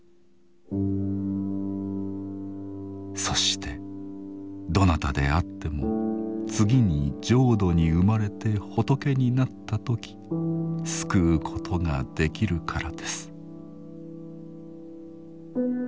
そしてどなたであっても次に浄土に生まれて仏になったとき救うことができるからです。